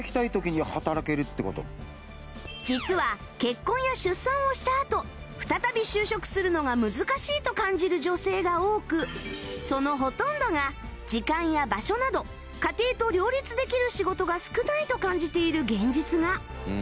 実は結婚や出産をしたあと再び就職するのが難しいと感じる女性が多くそのほとんどが時間や場所など家庭と両立できる仕事が少ないと感じている現実が